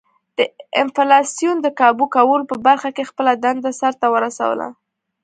د انفلاسیون د کابو کولو په برخه کې خپله دنده سر ته ورسوله.